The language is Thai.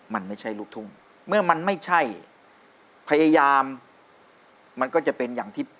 มันไม่ใช่ลูกทุ่งเมื่อมันไม่ใช่พยายามมันก็จะเป็นอย่างที่